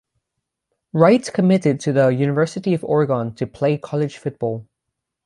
Wright committed to the University of Oregon to play college football.